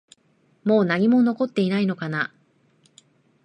もう何も残っていないのかな？